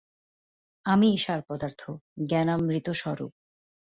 আমিই সার পদার্থ, জ্ঞানামৃত-স্বরূপ।